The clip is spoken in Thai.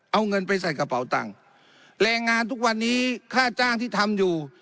เอาเงินไปใส่กระเป๋าตังค์แรงงานทุกวันนี้ค่าจ้างที่ทำอยู่